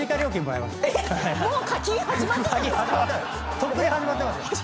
とっくに始まってますよ。